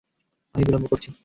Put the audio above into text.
আমি বিলম্ব করছি?